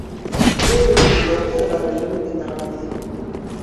És originària de la regió mediterrània.